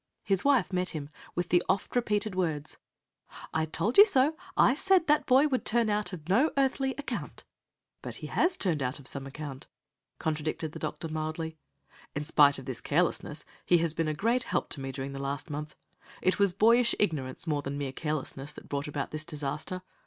His wife met him, with the oft repeated words, "I told you so; I said that boy would turn out of no earthly account." "But he has turned out of some account," contradicted the doctor mildly. "In spite of this carelessness, he has been a great help to me during the last month. It was boyish ignorance more than mere carelessness that brought about this disaster.